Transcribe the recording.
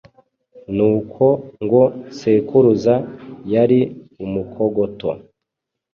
n’uko ngo sekuruza yari umukogoto